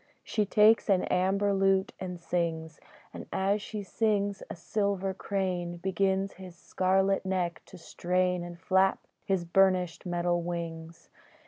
She takes an amber lute and sings, And as she sings a silver crane Begins his scarlet neck to strain, And flap his burnished metal wings.